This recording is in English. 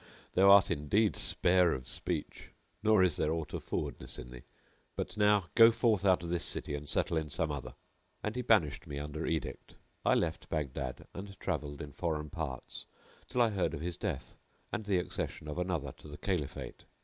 thou art indeed spare of speech nor is there aught of forwardness in thee; but now go forth out of this city and settle in some other." And he banished me under edict. I left Baghdad and travelled in foreign parts till I heard of his death and the accession of another to the Caliphate.